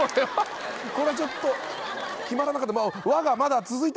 これはちょっと決まらなかった。